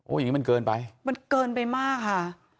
อย่างนี้มันเกินไปมันเกินไปมากค่ะ